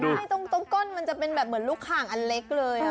ใช่ตรงก้นมันจะเป็นแบบเหมือนลูกข่างอันเล็กเลย